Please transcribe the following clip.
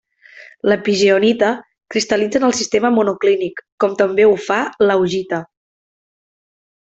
La pigeonita cristal·litza en el sistema monoclínic, com també ho fa l'augita.